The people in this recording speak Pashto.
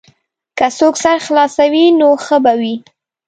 که څوک سر خلاصوي نو ښه به وي.